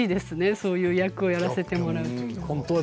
そういう役をやらせてもらうときは。